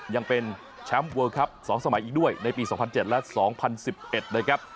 ยังเป็นแชมป์เวิร์คครับสองสมัยอีกด้วยในปีสองพันเจ็ดและสองพันสิบเอ็ดนะครับ